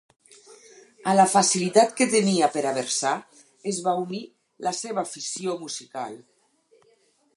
A la facilitat que tenia per a versar, es va unir la seua afició musical.